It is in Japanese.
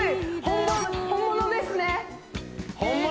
本物ですね